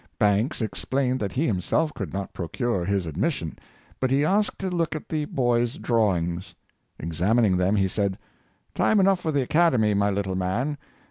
Banks explained that he himself could not procure his admission, but he asked to look at the boy's drawings. Examining them, he said, " Time enough for the Academy, my little man!